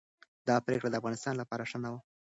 دا پریکړه د افغانستان لپاره ښه نه وه.